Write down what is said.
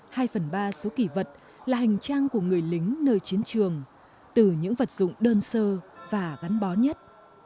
hai phần ba số kỷ vật là hành trang của người lính nơi chiến trường từ những vật dụng đơn sơ và gắn bó nhất